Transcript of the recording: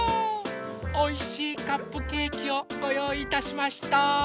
おいしいカップケーキをごよういいたしました。